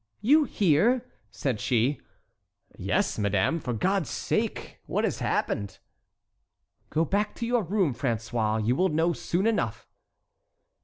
"You here?" said she. "Yes, madame. For God's sake what has happened?" "Go back to your room, François; you will know soon enough."